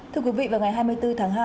thưa quý vị vào ngày hai mươi bốn tháng hai